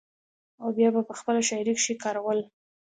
او بيا به پۀ خپله شاعرۍ کښې کارول ۔